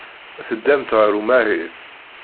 Teddamt ɣer umahil.